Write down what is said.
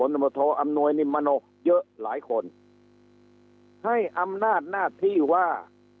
อุดมรัฐออำนวยนิมโมนกเยอะหลายคนให้อำนาจหน้าที่ว่า